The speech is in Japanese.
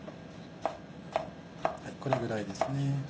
これぐらいですね。